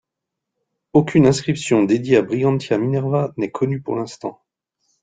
Aucune inscription dédiée à Brigantia Minerva n'est connue pour l'instant.